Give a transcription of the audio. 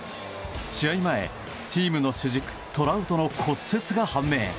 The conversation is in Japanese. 試合前、チームの主軸トラウトの骨折が判明。